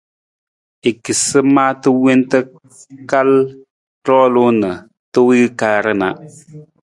I kisi maata wonta kal roolung na ta wii kaar na.